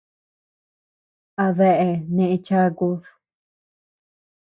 ¿Adeea neʼe chakud ?